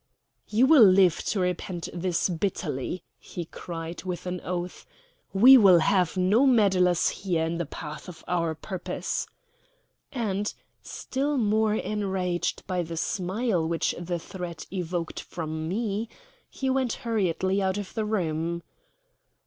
"You will live to repent this bitterly!" he cried, with an oath. "We will have no meddlers here in the path of our purpose," and, still more enraged by the smile which the threat evoked from me, he went hurriedly out of the room.